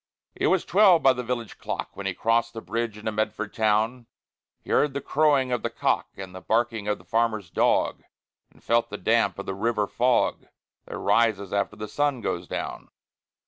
It was twelve by the village clock, When he crossed the bridge into Medford town. He heard the crowing of the cock, And the barking of the farmer's dog, And felt the damp of the river fog, That rises after the sun goes down.